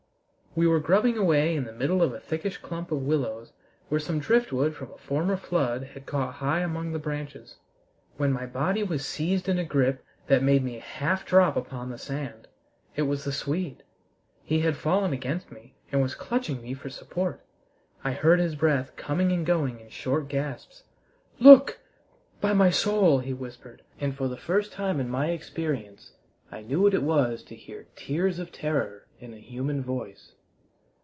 We were grubbing away in the middle of a thickish clump of willows where some driftwood from a former flood had caught high among the branches, when my body was seized in a grip that made me half drop upon the sand. It was the Swede. He had fallen against me, and was clutching me for support. I heard his breath coming and going in short gasps. "Look! By my soul!" he whispered, and for the first time in my experience I knew what it was to hear tears of terror in a human voice.